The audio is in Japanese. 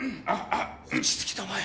落ち着きたまえ。